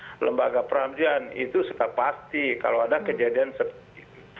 kalau lembaga peradilan itu sudah pasti kalau ada kejadian seperti itu